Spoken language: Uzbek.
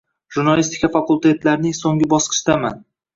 Jurnalistika fakultetlarining so‘nggi bosqichidaman.